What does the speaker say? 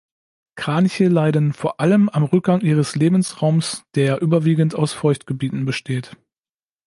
Kraniche leiden vor allem am Rückgang ihres Lebensraums, der überwiegend aus Feuchtgebieten besteht.